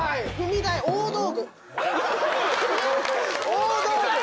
大道具。